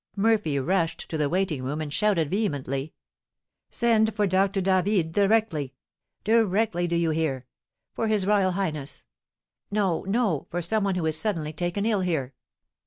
Murphy rushed to the waiting room, and shouted vehemently: "Send for Doctor David directly! Directly, do you hear? For his royal highness, no no, for some one who is suddenly taken ill here."